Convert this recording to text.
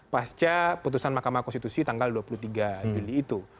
pasca putusan mahkamah konstitusi tanggal dua puluh tiga juli itu